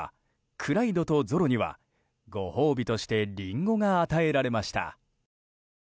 クライドとゾロにはご褒美としてリンゴが与えられました。